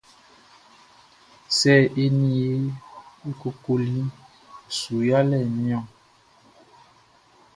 Sɛ e ni i e kokoli su yalɛʼn ni?